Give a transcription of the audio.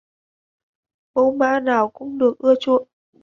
Mẫu mã nào cũng được ưa chuộng